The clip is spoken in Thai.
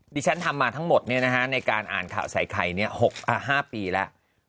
ดิฉันทำมาทั้งหมดเนี่ยนะฮะในการอ่านข่าวใส่ไข่เนี่ย๕ปีแล้ว